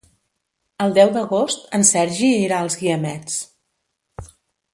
El deu d'agost en Sergi irà als Guiamets.